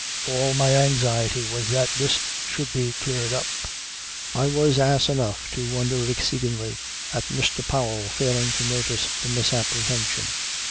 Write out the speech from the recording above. All my anxiety was that this should be cleared up. I was ass enough to wonder exceedingly at Mr. Powell failing to notice the misapprehension.